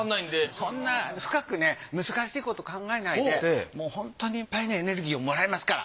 そんな深く難しいこと考えないでもうホントにいっぱいエネルギーをもらえますから。